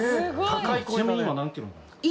ちなみに今何キロなんですか？